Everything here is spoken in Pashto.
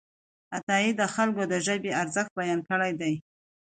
عطايي د خلکو د ژبې ارزښت بیان کړی دی.